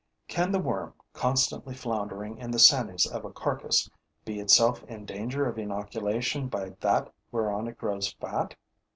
Can the worm, constantly floundering in the sanies of a carcass, be itself in danger of inoculation by that whereon it grows fat?